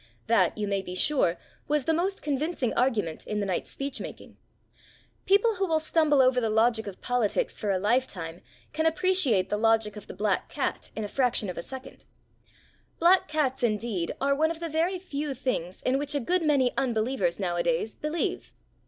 That, you may be sure, was the most convincing argument in the night's speech making. People who will stumble over the logic of politics for a lifetime can appreciate the logic of the black cat in a fraction of a second. Black cats, indeed, are one of the very few things in which a good many unbelievers nowadays believe.